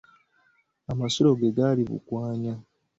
Amasiro ge gali Bugwanya.